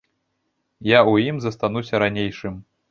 Я ў ім застануся ранейшым.